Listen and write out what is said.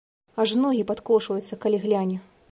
Аж ногі падкошваюцца, калі гляне.